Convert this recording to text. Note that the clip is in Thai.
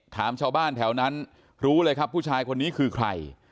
ถามชาวบ้านแถวนั้นรู้เลยครับผู้ชายคนนี้คือใคร